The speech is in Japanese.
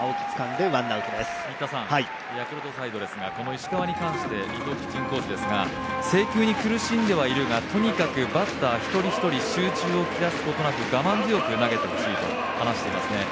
石川に関して伊藤ピッチングコーチですが制球に苦しんではいるが、とにかくバッター一人一人、集中を切らすことなく我慢強く投げてほしいと話していますね。